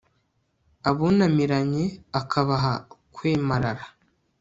abunamiranye akabaha kwemarara